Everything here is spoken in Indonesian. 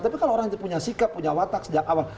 tapi kalau orang punya sikap punya watak sejak awal